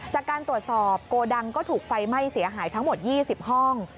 จากการตรวจสอบโกดังก็ถูกไฟไหม้เสียหายทั้งหมด๒๐ห้อง